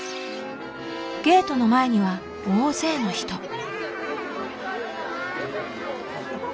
ゲートの前には大勢の人。